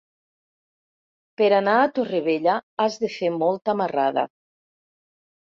Per anar a Torrevella has de fer molta marrada.